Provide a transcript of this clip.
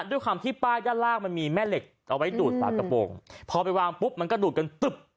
ด้วยความที่ป้ายด้านล่างมันมีแม่เหล็กเอาไว้ดูดฝากระโปรงพอไปวางปุ๊บมันก็ดูดกันตึบ